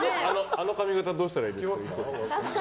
あの髪形どうしたらいいですか？